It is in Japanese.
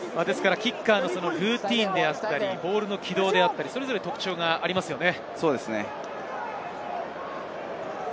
キッカーのルーティンであったり、ボールの軌道であったり、それぞれ特徴がありますね。